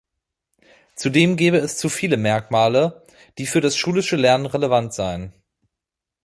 Zudem gebe es zu viele Merkmale, die für das schulische Lernen relevant seien.